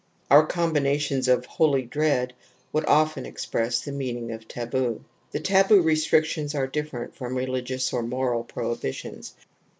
Our combination of ' holy dread ' would often express the meaning of taboo. The taboo restrictions are different from religious or moral prohibitions.